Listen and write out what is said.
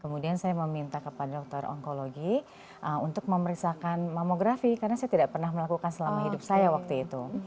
kemudian saya meminta kepada dokter onkologi untuk memeriksakan mamografi karena saya tidak pernah melakukan selama hidup saya waktu itu